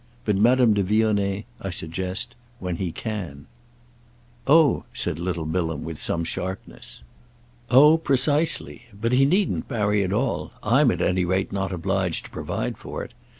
But Madame de Vionnet—I suggest—when he can.' "Oh!" said little Bilham with some sharpness. "Oh precisely! But he needn't marry at all—I'm at any rate not obliged to provide for it.